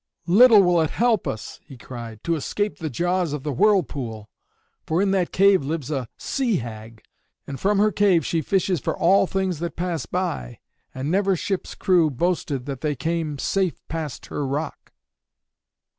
"Little will it help us," he cried, "to escape the jaws of the whirlpool. For in that cave lives a sea hag, and from her cave she fishes for all things that pass by, and never ship's crew boasted that they came safe past her rock."